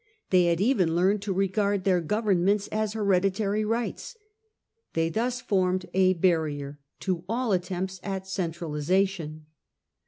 They had even learned to regard their governments as here ditary rights. They thus formed a barrier to all attempts at centralisation.